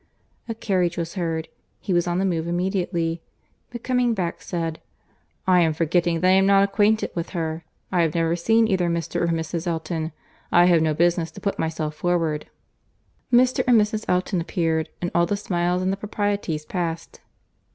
A carriage was heard. He was on the move immediately; but coming back, said, "I am forgetting that I am not acquainted with her. I have never seen either Mr. or Mrs. Elton. I have no business to put myself forward." Mr. and Mrs. Elton appeared; and all the smiles and the proprieties passed.